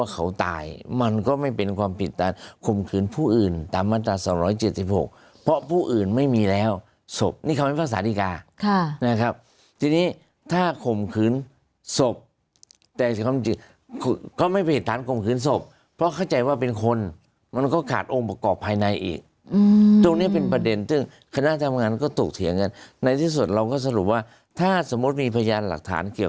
เขาก็มาปรึกษาคือเข้าใจนะเข้าใจว่าทำไมตำรวจไม่พูดอะไรเลย